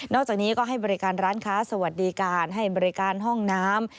จากนี้ก็ให้บริการร้านค้าสวัสดีการให้บริการห้องน้ำ